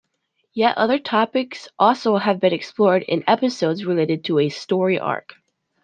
Yet other topics also have been explored in episodes related to a story arc.